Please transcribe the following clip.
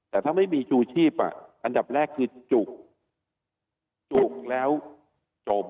แต่ถ้าไม่มีชูชีพอันดับแรกคือจุกจุกแล้วจบ